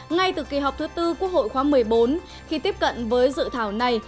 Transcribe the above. ngay từ kỳ họp thứ tư quốc hội khóa một mươi bốn khi tiếp cận với dự thảo này